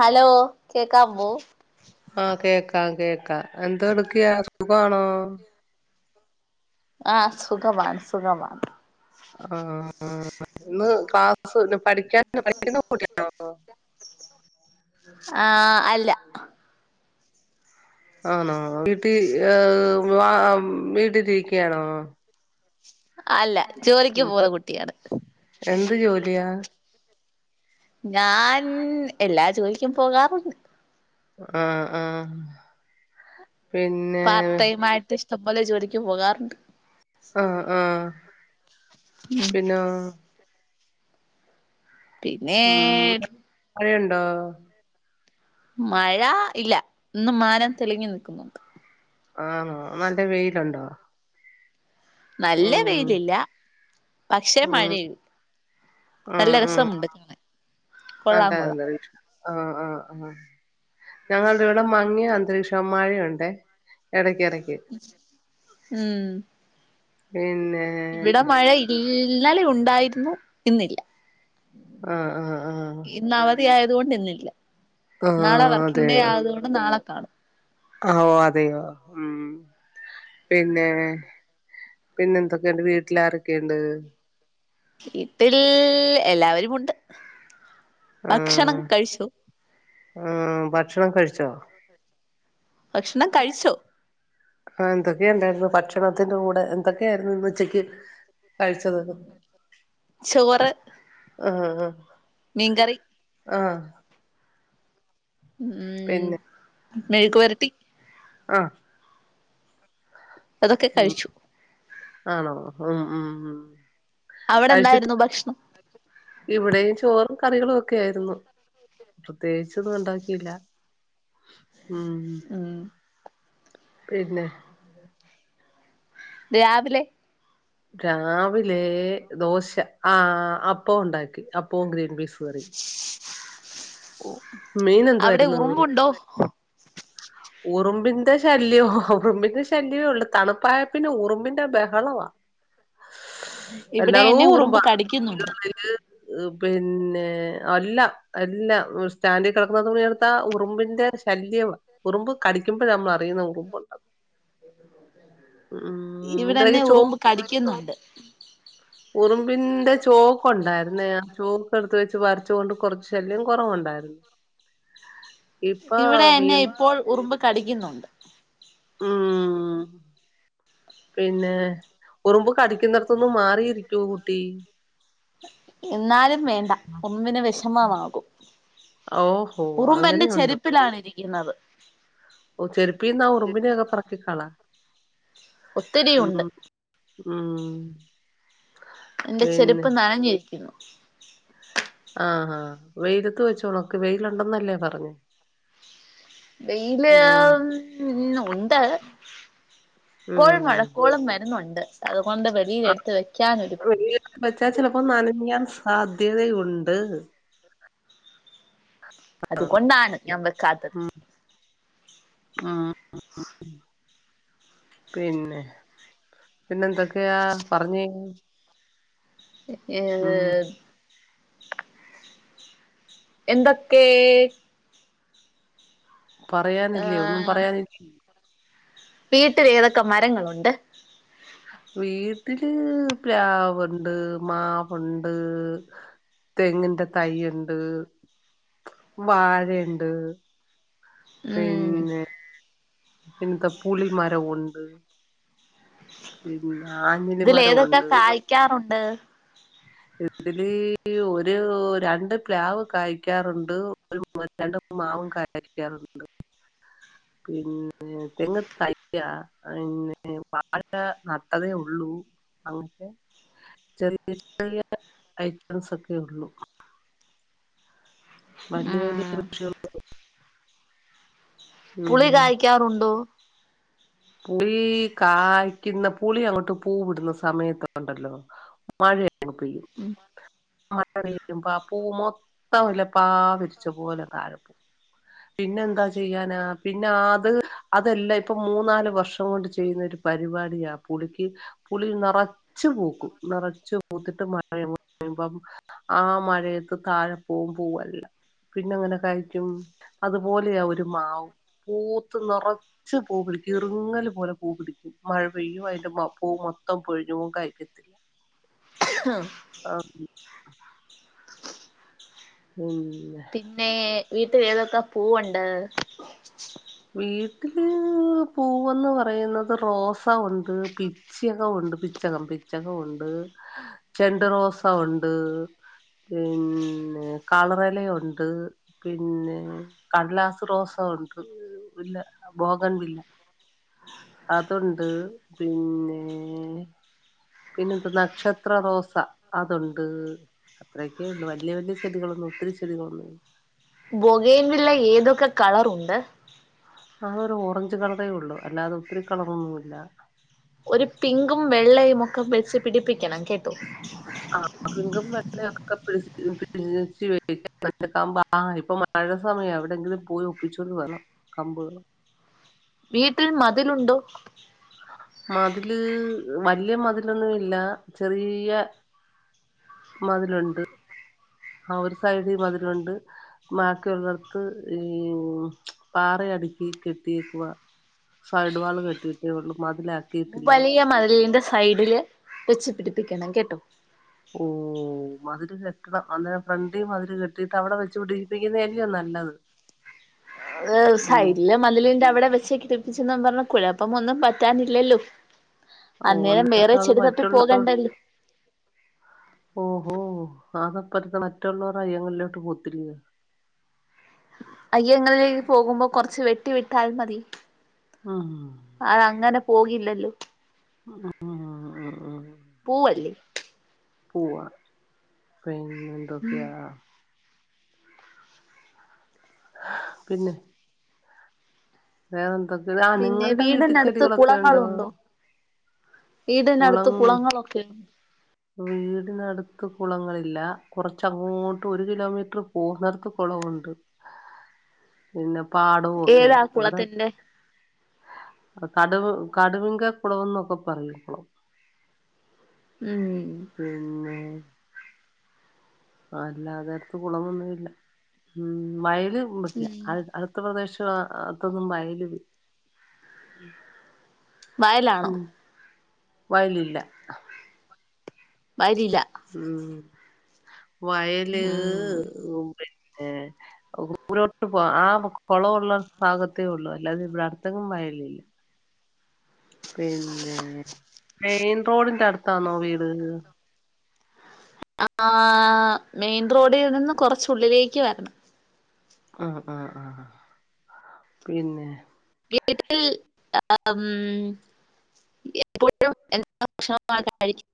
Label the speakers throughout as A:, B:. A: Hello കേക്കാവ്വോ
B: ആഹ് കേക്കാം കേക്കാം എന്തോ എടുക്കയാ സുഖവാണോ
A: ആഹ് സുഖമാണ് സുഖമാണ്
B: ആഹ് ഇന്ന് ക്ലാസ് പഠിക്കാൻ പഠിക്കുന്ന കുട്ടിയാണോ
A: ആഹ് അല്ല
B: ആന്നോ വീട്ടിൽ വ വീട്ടിലിരിക്യാണോ
A: അല്ല ജോലിയ്ക്ക്
B: ഉം
A: പോണ കുട്ടിയാണ്
B: എന്ത് ജോലിയാ
A: ഞാൻ എല്ലാ ജോലിക്കും പോകാറുണ്ട്
B: ആഹ് ആഹ് പിന്നെ
A: പാർടൈമായിട്ട് ഇഷ്ടംപോലെ ജോലിക്ക് പോകാറുണ്ട്
B: ആഹ് ആഹ് പിന്നെ
A: പിന്നെ
B: ഉം മഴയുണ്ടോ
A: മഴ ഇല്ല ഇന്ന് മാനം തെളിങ്ങി നിക്കുന്നുണ്ട്
B: ആന്നോ നല്ല വെയിലുണ്ടോ
A: നല്ല
B: ഉം
A: വെയിലില്ല പക്ഷെ
B: ഉം
A: മഴയു നല്ല രസമുണ്ട് കാണാൻ കൊള്ളാം
B: അതെ
A: കൊള്ളാം
B: അതെ ആഹ് ആഹ് ആഹ് ഞങ്ങളുടെ ഇവിടെ മ ങ്ങിയ അന്തരീക്ഷം മഴയുണ്ടെ എടക്കെടക്ക്
A: ഉം
B: പിന്നെ
A: ഇവിടെ മഴ ഇല്ലാന്നലെ ഉണ്ടോ ണ്ടായിരുന്നു ഇന്നില്ല
B: ആഹ് ആഹ് ആഹ്
A: ഇന്ന് അവധി ആയതുകൊണ്ട് ഇന്നില്ല
B: ആഹ്
A: നാളെ വർക്കിംഗ് ഡേ
B: അതെയോ
A: ആയതുകൊണ്ട് നാളെ കാണും
B: ആഹ് ഓഹ് അതെയോ ഉം പിന്നെ പിന്നെന്തൊക്കെയുണ്ട് വീട്ടില് ആരൊക്കെയുണ്ട്?
A: വീട്ടിൽ എല്ലാവരുമുണ്ട് ഭക്ഷണം
B: ആഹ്
A: കഴിച്ചോ?
B: ആഹ് ഭക്ഷണൊക്കെ കഴിച്ചോ?
A: ഭക്ഷണം കഴിച്ചു
B: ആഹ് എന്തൊക്കെയൊണ്ടായിരുന്നു ഭക്ഷണത്തിന്റെ കൂടെ എന്തൊക്കെയാരുന്നു ഇന്ന് ഉച്ചയ്ക്ക്‌ കഴിച്ചത്
A: ചോറ്
B: ആഹ് ആഹ്
A: മീൻ കറി
B: ആഹ്
A: ഉം
B: പിന്നെ
A: മെഴുക്ക് വരട്ടി
B: ആഹ്
A: അതൊക്കെ
B: ഉം
A: കഴിച്ചു
B: ആണോ ഉം ഉം ഉം കഴിച്ചിട്ട്
A: അവിടെന്തായിരുന്നു ഭക്ഷണം
B: ഇവിടെയും ചോറും കറികളും ഒക്കെ ആയിരുന്നു പ്രത്യേകിച്ച് ഒന്നും ഒണ്ടാക്കിയില്ല ഉം
A: ഉം
B: പിന്നെ
A: രാവിലെ
B: രാവിലെ ദോശ ആഹ് അപ്പവും ഒണ്ടാക്കി അപ്പവും ഗ്രീൻപീസ് കറീം
A: [unintelligible]
B: മീൻ
A: അവിടെ
B: എന്തുവായിരുന്നു?
A: ഉറുമ്പുണ്ടോ
B: ഉറുമ്പിന്റെ ശല്യവാ ഉറുമ്പിന്റെ ശല്യവെ ഒള്ളു തണുപ്പായെപ്പിന്നെ ഉറുമ്പിന്റെ ബഹളവാ
A: ഇവിടെ
B: എല്ലടോ
A: എന്നെ ഉറുമ്പ്
B: ഉറുമ്പാ
A: കടിക്കുന്നുണ്ട്
B: പിന്നെ അല്ല അല്ലാ സ് സ്റ്റാൻഡി കെടക്കുന്ന തുണി എടുത്താ ഉറുമ്പിന്റെ ശല്യവാ ഉറുമ്പ് കടിക്കുമ്പഴാ നമ്മൾ അറിയുന്നെ ഉറുമ്പൊണ്ടെന്ന് ഉം
A: ഇവിടെന്നെ
B: ഇതിടക്ക് ചോ
A: ഉറുമ്പ് കടിക്കുന്നുണ്ട്
B: ഉറുമ്പിന്റെ ചോക്ക് ഒണ്ടായിരുന്നേ ആഹ് ചോ എടുത്ത് വെച്ച് വരച്ച കൊണ്ട് കൊറച്ച് ശല്യം കൊറവുണ്ടായിരുന്നു
A: ഇവിടെ എന്നെ ഇപ്പോൾ ഉറുമ്പ് കടിക്കുന്നുണ്ട്
B: ഉം പിന്നെ ഉറുമ്പ് കടിക്കുന്നിടത്തുന്ന് മാറിയിരിക്കൂ കുട്ടി
A: ഇന്നാലും വേണ്ട ഉറുമ്പിന് വെഷമമാകും
B: ഓഹോ
A: ഉറുമ്പെന്റെ
B: അങ്ങനെയുണ്ടോ
A: ചെരിപ്പ് പ്പിലാണിരിക്കുന്നത്
B: ഓഹ് ചെരുപ്പീന്നാ ഉറുമ്പിനെയൊക്കെ പറക്കിക്കളാ
A: ഒത്തിരിയുണ്ട്
B: ഉം ഉം
A: എന്റെ
B: പിന്നെ
A: ചെരുപ്പ് നനഞ്ഞിരിക്കുന്നു
B: ആഹ് ആഹ് വെയിലത്ത് വെച്ചൊണക്ക് വെയിലൊണ്ടന്നല്ലേ പറഞ്ഞെ
A: വെയില്
B: ഉം
A: ഉം ഒണ്ട് ഇപ്പോൾ
B: ഉം
A: മഴക്കോളും വരുന്നുണ്ട് അതുകൊണ്ട് വെളിയിലെടുത്ത് വെക്കാനൻ ഒരു
B: വച്ചാൽ ചെലപ്പോ നനയാൻ സാധ്യതയുണ്ട്
A: അതുകൊണ്ടാണ് ഞാൻ
B: ആഹ്
A: വെക്കാത്തത്
B: ഉം ഉം പിന്നെ പിന്നെ എന്തൊക്കെയാ പറഞ്ഞേ ഉം
A: ഏഹ് എന്തൊക്കെ
B: പറയാനില്ലേ ഒന്നും
A: ആഹ്
B: പറയാനില്ലേ?
A: വീട്ടിൽ ഏതൊക്കെ മരങ്ങളുണ്ട്?
B: വീട്ടില് പ്ലാവുണ്ട്, മാവുണ്ട് തെങ്ങിന്റെ തൈുണ്ട്, വാഴയുണ്ട്
A: ഉം
B: പിന്നെ പിന്നത്തെ പുളി മരം ഉണ്ട് പിന്നെ ആഞ്ഞലി മരംഉണ്ട്
A: വിക്കാറുണ്ട്
B: ഇതില് ഒരു രണ്ട് പ്ലാവ് കായ്ക്കാറുണ്ട്. ഒരു [unintelligible] മാവും കായ്ക്കാറുണ്ട് പിന്നെ തെങ്ങ് തയ്യാ പിന്നെ വാഴ നട്ടതേ ഉള്ളൂ അങ്ങനെ ചെറിയ [unintelligible] ഐറ്റംസ് ഒക്കെ ഉള്ളൂ. വലിയ വലിയ
A: ഉം
B: [unintelligible]
A: പുളി
B: ഉം
A: കായ്ക്കാറുണ്ടോ?
B: പുളി കായ്ക്കുന്ന പുളി അങ്ങോട്ട് പൂ വിടുന്ന സമയത്തുണ്ടല്ലോ മഴങ്ങ് പെയ്യും
A: ഉം
B: മഴ പെയ്യ്മ്പോ ആ പൂ മൊത്തംല്ല പാ പിരിച്ച പോലെ താഴപോവും പിന്നെന്താ ചെയ്യാനാ പിന്നെ ആത് അതെല്ല ഇപ്പൊ മൂന്നാല് വർഷം കൊണ്ട് ചെയ്യുന്ന ഒരു പരിപാടിയ പുളിക്ക് പുളി നിറ ച്ചു പൂക്കും നിറച്ചു പൂത്തിട്ട് [unintelligible] ആ മഴയത്ത് താഴെപ്പോവും പൂവല്ലാം പിന്നെങ്ങനെ കഴിക്കും. അതുപോലെയാ ഒരു മാവും പൂത്ത് നിറ ച്ച് പൂ പിടിക്കും ഇറുങ്ങൽ പോലെ പൂ പിടിക്കും മഴ പെയ്യും അതിന്റെപ്പൂവ് മൊത്തം പൊഴിഞ്ഞോവും കാഴ്ക്കത്തില്ല. [inaudible]
A: [inaudible]
B: [unintelligible] ഉം
A: പിന്നെ വീട്ടിൽ ഏതൊക്കെ പൂവുണ്ട്?
B: വീട്ടില് പൂവന്ന് പറയുന്നത് റോസ ഉണ്ട് പി പിച്ചി ഉണ്ട് പിച്ചകം പിച്ചകം ഉണ്ട് ചെണ്ട്റോസ ഉണ്ട് പിന്നെ കളറലയുണ്ട് പിന്നെ കടലാസ് റോസ ഉണ്ട്. ഇല്ല ബോഗൻ വില്ല അതുണ്ട് പിന്നെ പിന്നെ ന്ത്‌ നക്ഷത്ര റോസ അതുണ്ട്. അത്രയൊക്കെ ഉള്ളു വല്യ വല്യ ചെടികളൊന്നും ഒത്തിരി ചെടികളൊന്നും
A: ബെഗയിൻവിള്ള ഏതൊക്കെ കളറുണ്ട്?
B: അതൊരു ഓറഞ്ച് കളറേ ഒള്ളു അല്ലാതെ ഒത്തിരി കളറൊന്നുല്ല.
A: ഒരു പിങ്കും വെള്ളയും ഒക്കെ വെച്ച് പിടിപ്പിക്കണം കേട്ടു
B: ആഹ്, പിങ്കും വെള്ളയും [unintelligible] ആഹ് ഇപ്പൊ മഴ സമയ എവിടെങ്കിലും പോയി ഒപ്പിച്ചുകൊണ്ട് വരണം കമ്പ്.
A: വീട്ടിൽ മതിലുണ്ടോ?
B: മതില് വല്യ മതിലൊന്നും ഇല്ല. ചെറിയ മതിലുണ്ട് ആ ഒരു സൈഡി മതിലുണ്ട്. ബാക്കിള്ളടത്ത് ഈ പാറയടുക്കി കെട്ടിയേക്കുവ സൈഡ് വാള് കെട്ടിട്ടെള്ളൂ മതില്
A: വലിയ മതിലിന്റെ സൈഡില് വെച്ച് പിടിപ്പിക്കണം കേട്ടോ
B: ഓ മതില് കെട്ടണം അന്നേരം ഫ്രണ്ട് മതില് കെട്ടിട്ട് അവടെ വെച്ച് പിടി [unintelligible] നല്ലത്
A: അത്
B: ഉം
A: സൈഡില് മതിലിന്റെ അവിടെ വെച്ചേക്കി തിപ്പിച്ചെന്ന പറഞ്ഞ കുഴപ്പമൊന്നും പറ്റാനില്ലല്ലോ
B: ഓ
A: അന്നേരം വേറെ
B: അത്
A: ചെടി തപ്പി
B: മറ്റുള്ള
A: പോകണ്ടല്ലോ
B: ഓഹോ [unintelligible] മറ്റുള്ളവരുടെ അയ്യങ്ങളിലോട്ട് പോത്തില്ലേ
A: അയ്യോ ഇങ്ങളിനി പോകുമ്പോ കൊറച്ച് വെട്ടി വിട്ടാൽ മതി
B: ഉം
A: അത് അങ്ങനെ പോകില്ലല്ലോ
B: ആണോ
A: പൂവല്ലെ
B: പൂവാ പിന്നെന്തൊക്കെയാ പിന്നെ വേറെന്താ
A: പിന്നെ വീടിനടുത്ത് കുളങ്ങളുണ്ടോ വീടിനടുത്ത്
B: കുളം
A: കുളങ്ങളൊ കിൽ
B: വീടിനടുത്ത് കുളങ്ങളില്ല കുറച്ചങ്ങോട്ടു ഒരു കിലോമീറ്റർ പോന്നടുത്ത് കുളവുണ്ട് പിന്നെ പാടവൊക്കെയ
A: ഏതാ
B: ഇവിടെ
A: കുളത്തിന്റെ
B: കടു കടുവിങ്ക കുളവെന്നൊക്കെ പറയും.
A: ഉം
B: ഉം അല്ലാതെ അട്ത്ത് കുളമൊന്നില്ലംഉം വയല് വെട്ടില്ല
A: ഉം
B: [unintelligible] ഉത്തർപ്രദേശിൽ അതൊന്നും വയല്
A: വയലാണോ
B: ഉം വയലില്ല
A: വയലില്ല
B: ഉം വയല്
A: ഉം
B: ഉം പിന്നെ ദൂരോട്ട് പോ ആഹ് കൊളവുള്ള ഭാഗത്തെ ഉള്ളു അല്ലാതെ ഇവടെ അടുത്തെങ്ങും വയലില്ല പിന്നെ മെയിൻ റോഡിന്റട്
A: [inaudible] ആഹ് മെയിൻ റോഡിൽ നിന്ന് കുറച്ചുള്ളിലേക്ക് വരണം
B: ആഹ് ആഹ് ആഹ് പിന്നെ
A: വീട്ടിൽ ആഹ് എപ്പോഴും എന്ത് ഭക്ഷണമാണ് കഴിക്കുന്നത്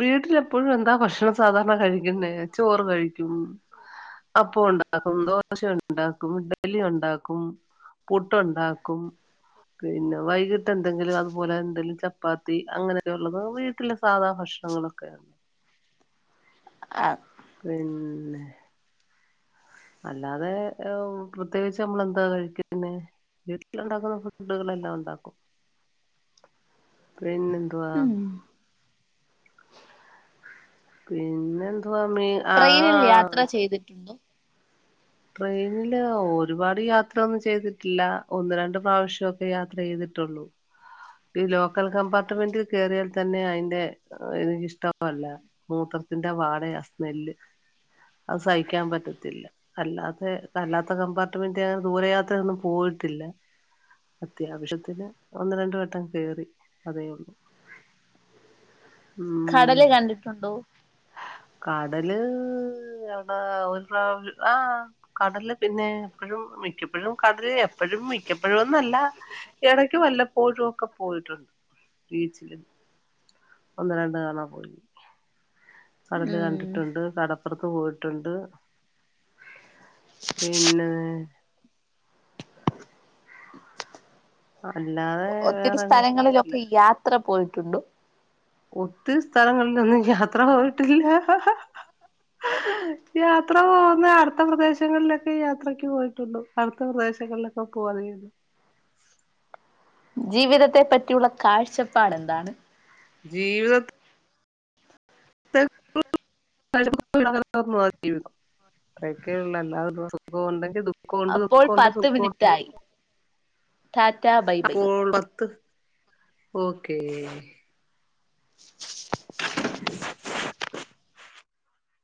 B: വീട്ടില് എപ്പഴും എന്താ ഭക്ഷണം സാധാരണ കഴിക്ക്ന്നേ ചോറ് കഴിക്കും അപ്പോണ്ട ണ്ടാക്കും ദോശയുണ്ടാക്കും ഇഡ്ഡലി ഉണ്ടാക്കും പുട്ടുണ്ടാക്കും പിന്നെ വൈകിട്ട് എന്തെങ്കിലു അത്പോലെ എന്തെലും ചപ്പാത്തി അങ്ങനൊക്ക ഒള്ളത് വീട്ട്ലെ സാധാ ഭക്ഷണം പ്പങ്ങളൊക്കേണ്
A: ആഹ്
B: പിന്നെ അല്ലാതെ ഏഹ് പ്രത്യേകിച്ച് നമ്മളെന്താ കഴിക്കിന്നേ വീട്ടില്ണ്ടാക്കുന്ന ഫുഡ്ഡ്കളെല്ലാം ഉണ്ടാക്കും പിന്ന ന്തുവാ
A: ഉം
B: പിന്നെന്തുവാ മേ
A: ട്രെയിനിൽ യാത്ര ചെയ്തിട്ടുണ്ടൊ
B: ട്രെയിനില് ഒരുപാട് യാത്രൊന്നും ചെയ്തിട്ടില്ല ഒന്ന് രണ്ട് പ്രാവശ്യൊക്കെ യാത്രയ്തിട്ടൊള്ളു ഈ ലോക്കൽ കമ്പാർട്ട്മെന്റ്ൽ കേറിയാൽ തന്നെ അയിന്റെ എനിക്കിഷ്ടമല്ല മൂത്രത്തിന്റെ വാടേ ആസ്മെല്ല് അത് സഹിക്കാ പറ്റത്തില്ല അല്ലാത്തെ അല്ലാത്ത കമ്പാർട്ട്മെന്റ് ദൂരയാത്രെന്നും പോയിട്ടില്ല അത്യാവശത്തിന് ഒന്ന് രണ്ട് വട്ടം കേറി അതേ ഉള്ളു
A: കടല് കണ്ടിട്ടുണ്ടൊ
B: കടല് എവിടാ ഒര് പ്രാവ് ആഹ് കടല് പിന്നേ എപ്പഴും മിക്കപ്പഴും കടല് എപ്പഴും മിക്കപ്പൊഴുന്നല്ല എടയ്ക്ക് വല്ലപ്പോഴും ഒക്കെ പോയിട്ടുണ്ട്. ബീച്ച്ല് ഒന്ന് രണ്ട് തവണ പോയി കടല്
A: ഉം
B: കണ്ടിട്ടുണ്ട് കട പ്പൊറത്ത് പോയിട്ടുണ്ട് പിന്നെ അല്ലാതെ വേറെങ്ങും പോയിട്ടില്ല
A: ത്ര പോയിട്ടുണ്ടൊ
B: ഒത്തിരി സ്ഥലങ്ങൾലൊന്നും യാത്ര പോയ്ട്ടില്ല യാത്ര പോവ് ന്നെ അടുത്ത പ്രദേശങ്ങൾലൊക്കെ യാത്രക്ക് പോയിട്ടുള്ളു അട്ത്ത പ്രദേശങ്ങൾലൊക്കെ പോവല്
A: ജീവിതത്തെ പറ്റിയുള്ള കാഴ്ചപ്പാടെന്താണ്
B: ജീവിതത് [unintelligible] [unintelligible] ജീവിതം ഇത്രയൊക്കെ ഉള്ളു അല്ലാതെ സുഖവുണ്ടെങ്കി ദുഖ ക്കോണ്ട്
A: അപ്പോൾ
B: ദുക്കോണ്ട്
A: പത്ത്
B: സുഖോണ്ട്
A: മിനിറ്റായി ടാറ്റാ ബൈ ബൈ
B: അപ്പോ പത്ത് ഓക്കേ